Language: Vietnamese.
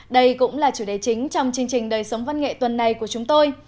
đây cũng là chủ đề chính trong chương trình đời sống văn nghệ tuần này của chúng tôi